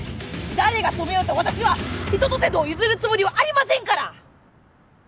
誰が止めようと私は春夏秋冬道を譲るつもりはありませんから！